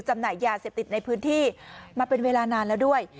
จำหน่ายยาเสพติดในพื้นที่มาเป็นเวลานานแล้วด้วย